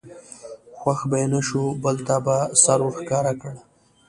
خوښ به یې نه شو بل ته به سر ور ښکاره کړ.